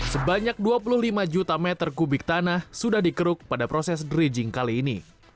sebanyak dua puluh lima juta meter kubik tanah sudah dikeruk pada proses dredging kali ini